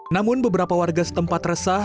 namun beberapa warga setempat resah